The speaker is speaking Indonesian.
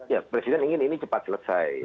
ya presiden ingin ini cepat selesai